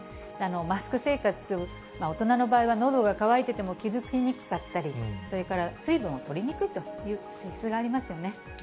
マスク生活、大人の場合はのどが渇いてても気付きにくかったり、それから水分をとりにくいという性質がありますよね。